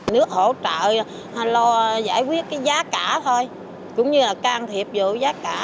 nước hỗ trợ lo giải quyết cái giá cả thôi cũng như là can thiệp vụ giá cả